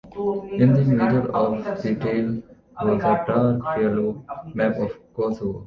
In the middle of the tail was a dark yellow map of Kosovo.